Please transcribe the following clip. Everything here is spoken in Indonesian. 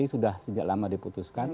sudah sejak lama diputuskan